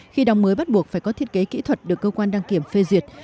khi đóng mới bắt buộc phải có thiết kế kỹ thuật được cơ quan đăng kiểm phê duyệt